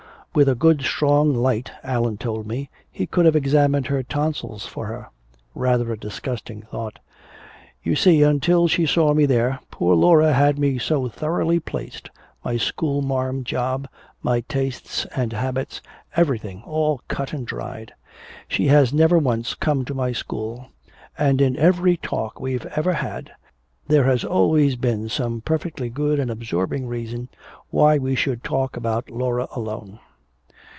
With a good strong light, Allan told me, he could have examined her tonsils for her. Rather a disgusting thought. You see until she saw me there, poor Laura had me so thoroughly placed my school marm job, my tastes and habits, everything, all cut and dried. She has never once come to my school, and in every talk we've ever had there has always been some perfectly good and absorbing reason why we should talk about Laura alone."